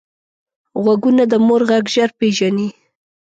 غوږونه د مور غږ ژر پېژني